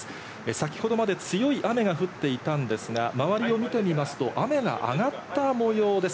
先ほどまで強い雨が降っていたんですが、周りを見てみますと、雨が上がった模様です。